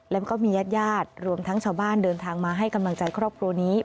แล้วก็มีญาติญาติรวมทั้งชาวบ้านเดินทางมาให้กำลังใจครอบครัวนี้